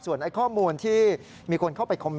ส่วนข้อมูลที่มีคนเข้าไปคอมเมนต์